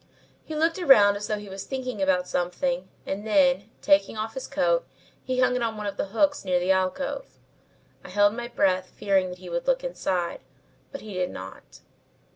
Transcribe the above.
He looked around as though he was thinking about something and then, taking off his coat, he hung it on one of the hooks near the alcove. I held my breath fearing that he would look inside, but he did not.